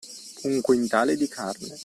Un quintale di carne!